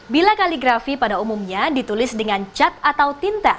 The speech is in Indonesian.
bila kaligrafi pada umumnya ditulis dengan cat atau tinta